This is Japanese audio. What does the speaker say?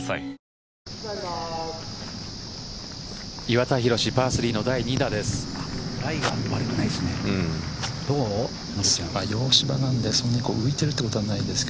岩田寛、パー３の第２打です。